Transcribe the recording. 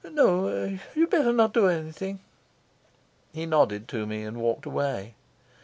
"No. You'd better not do anything." He nodded to me and walked away.